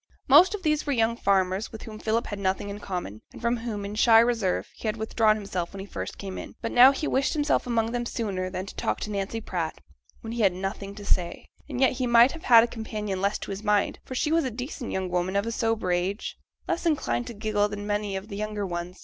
Most of these were young farmers, with whom Philip had nothing in common, and from whom, in shy reserve, he had withdrawn himself when he first came in. But now he wished himself among them sooner than set to talk to Nancy Pratt, when he had nothing to say. And yet he might have had a companion less to his mind, for she was a decent young woman of a sober age, less inclined to giggle than many of the younger ones.